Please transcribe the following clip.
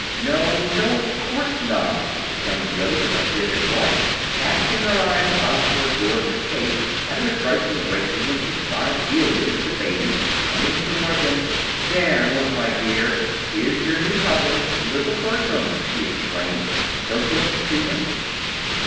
"No, no, of course not!" exclaimed Billy, with a vivid blush, casting her eyes about for a door of escape, and rejoicing greatly when she spied Delia with the baby coming toward them. "There, look, my dear, here's your new cousin, little Bertram!" she exclaimed. "Don't you want to see him?"